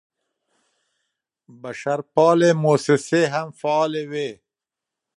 بشرپالې موسسې هم فعالې وې.